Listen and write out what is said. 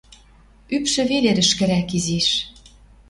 Ӱпшӹ веле рӹшкӹрӓк изиш...